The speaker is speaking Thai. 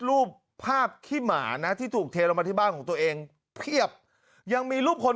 รูปภาพขี้หมานะที่ถูกเทลงมาที่บ้านของตัวเองเพียบยังมีรูปคน